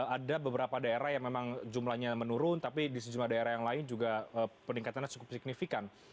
ada beberapa daerah yang memang jumlahnya menurun tapi di sejumlah daerah yang lain juga peningkatannya cukup signifikan